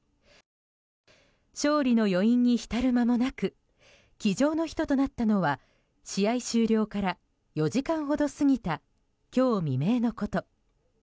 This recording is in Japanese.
勝利の余韻に浸る間もなく機上の人となったのは試合終了から４時間ほど過ぎた今日未明のこと。